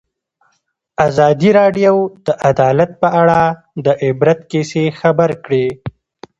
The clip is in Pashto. ازادي راډیو د عدالت په اړه د عبرت کیسې خبر کړي.